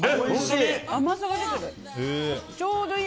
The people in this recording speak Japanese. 甘さが出てる。